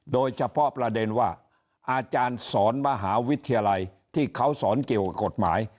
โดยเฉพาะประเด็นว่าอาจารย์สอนมหาวิทยาลัยที่เขาสอนเกี่ยวกับกฎหมาย